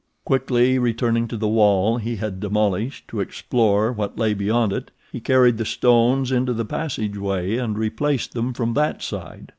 Quickly returning to the wall he had demolished to explore what lay beyond it, he carried the stones into the passageway and replaced them from that side.